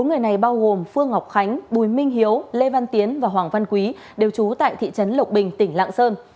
bốn người này bao gồm phương ngọc khánh bùi minh hiếu lê văn tiến và hoàng văn quý đều trú tại thị trấn lộc bình tỉnh lạng sơn